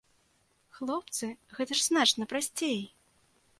Хлопцы, гэта ж значна прасцей!